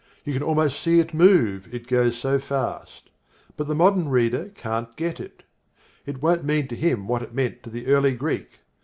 You can almost see it move, it goes so fast. But the modern reader can't get it. It won't mean to him what it meant to the early Greek.